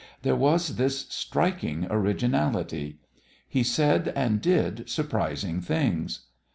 There was this striking originality. He said and did surprising things.